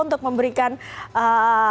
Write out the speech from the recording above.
untuk memberikan klarifikasi bengen lainnya ya